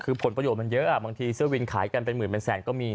คือผลประโยชนมันเยอะบางทีเสื้อวินขายกันเป็นหมื่นเป็นแสนก็มี